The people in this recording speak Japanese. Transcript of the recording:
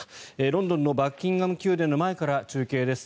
ロンドンのバッキンガム宮殿の前から中継です。